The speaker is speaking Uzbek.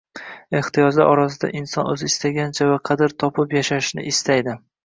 ehtiyojlar orasida inson o‘zi istagancha va qadr topib yashashni istaydi.